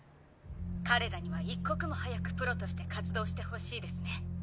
彼らには一刻も早くプロとして活動してほしいですね。